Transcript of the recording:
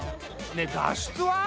ねえ脱出は？